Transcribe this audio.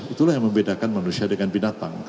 itulah yang membedakan manusia dengan binatang